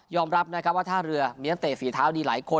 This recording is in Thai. รับนะครับว่าท่าเรือมีนักเตะฝีเท้าดีหลายคน